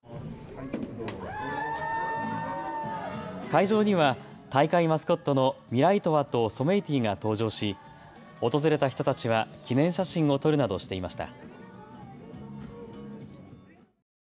会場には大会マスコットのミライトワとソメイティが登場し訪れた人たちは記念写真を撮るなどしていました。